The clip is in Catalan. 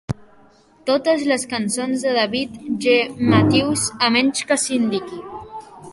Totes les cançons de David J. Matthews a menys que s'indiqui.